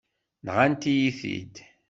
Nnant-iyi-t-id.